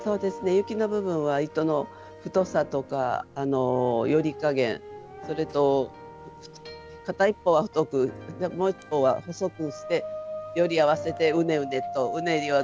雪の部分は糸の太さとか撚り加減それと片一方は太くもう一方は細くして撚り合わせてうねうねとうねりをつけてます。